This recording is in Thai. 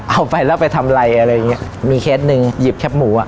เอาไปแล้วไปทำอะไรอะไรอย่างเงี้ยมีเคสหนึ่งหยิบแคปหมูอ่ะ